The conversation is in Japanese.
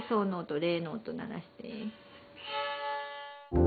レの音鳴らして。